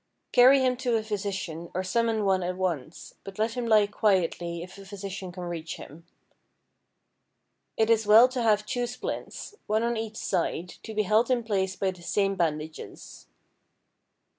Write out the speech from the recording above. Carry him to a physician or summon one at once, but let him lie quietly if a physician can reach him. It is well to have two splints, one on each side, to be held in place by the same bandages.